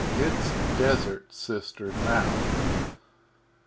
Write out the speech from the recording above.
It's Desert, Sister, now.